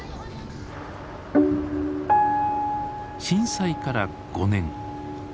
震災から５年。